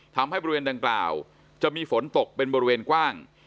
ทำให้บริเวณดังกล่าวจะมีฝนตกเป็นบริเวณกว้าง